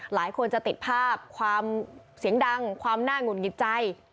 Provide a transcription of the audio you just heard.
หลายคนจะติดภาพความเสียงดังความน่าหงุดหงิดใจ